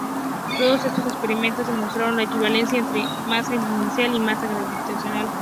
Todos estos experimentos demostraron la equivalencia entre masa inercial y masa gravitacional.